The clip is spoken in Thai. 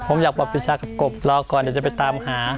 ผมอยากบอกปีชากับกบรอก่อนเดี๋ยวจะไปตามหา